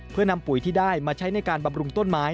เพื่อนำปุ๋ยที่ได้มาใช้ในการบำรุงต้นไม้